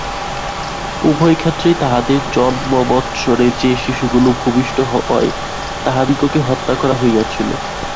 উভয় ক্ষেত্রেই তাঁহাদের জন্মবৎসরে যে শিশুগুলি ভূমিষ্ঠ হয়, তাহাদিগকে হত্যা করা হইয়াছিল।